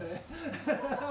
ハハハハ！